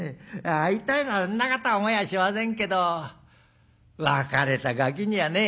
会いたいなぞんなこと思いはしませんけど別れたがきにはね」。